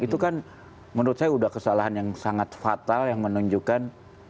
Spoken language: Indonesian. itu kan menurut saya sudah kesalahan yang sangat fatal yang menunjukkan